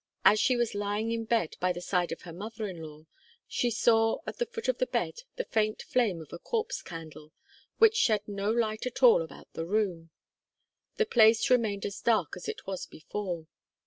As she was lying in bed by the side of her mother in law, she saw at the foot of the bed the faint flame of a Corpse Candle, which shed no light at all about the room; the place remained as dark as it was before.